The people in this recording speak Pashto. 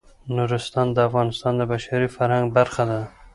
نورستان د افغانستان د بشري فرهنګ برخه ده.